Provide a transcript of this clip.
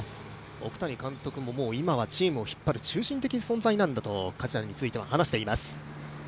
奥谷監督も今はチームを引っ張る中心的な存在なんだと梶谷について話しています。